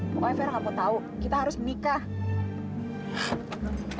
pokoknya ver gak mau tau kita harus nikah